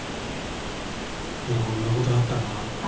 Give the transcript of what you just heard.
いろんな事あったな。